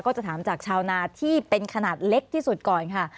ก็จะถามจากชาวนาที่เป็นขนาดเล็กที่สุดก่อนค่ะ